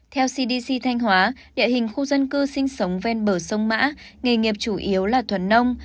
theo cdc thanh hóa địa hình khu dân cư sinh sống ven bờ sông mã nghề nghiệp chủ yếu là thuần nông